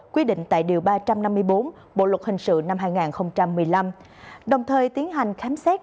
quy định tại điều ba trăm năm mươi bốn bộ luật hình sự năm hai nghìn một mươi năm đồng thời tiến hành khám xét